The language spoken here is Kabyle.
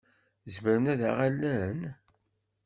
Zemren ad aɣ-allen?